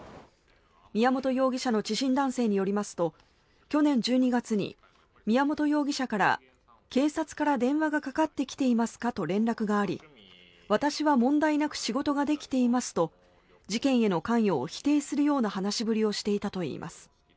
宮本容疑者の知人男性によりますと去年１２月に宮本容疑者から警察から電話がかかってきていますかと連絡があり私は問題なく仕事ができていますと事件への関与を否定するような話しぶりをしていたといいます。